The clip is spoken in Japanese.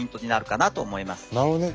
なるほどね。